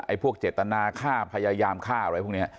พวกเจตนาฆ่าพยายามฆ่าอะไรพวกนี้